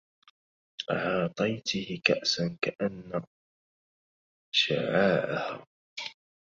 عاطيته كأسا كأن شعاعها